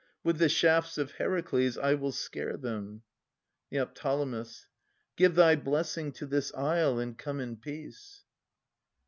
With the shafts of Heracles I will scare them. ■ Neo. Give thy blessing to this isle, and come in peace.